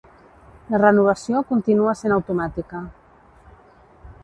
La renovació continua sent automàtica.